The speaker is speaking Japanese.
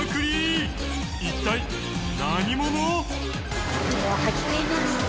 一体何者！？